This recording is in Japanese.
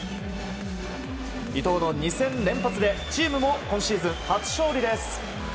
伊東の２戦連発でチームも今シーズン初勝利です。